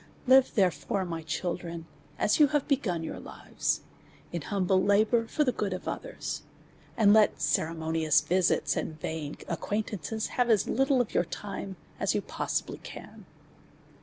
Live, therefore, my children, as you have begun your lives, in humbler labour for the good of others ; and let ceremonious visits, and vain acquaintances, have as li((le of your time as you possibly can.